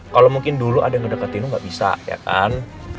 kalo mungkin dulu ada yang deketin lo gak bisa ya kan